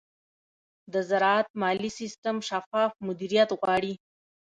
د زراعت مالي سیستم شفاف مدیریت غواړي.